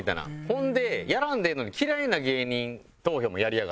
ほんでやらんでええのに嫌いな芸人投票もやりやがって。